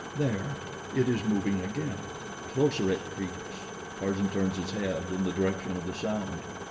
There! It is moving again. Closer it creeps. Tarzan turns his head in the direction of the sound.